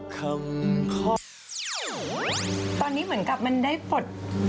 ตอนนี้เหมือนกับมันได้ปลด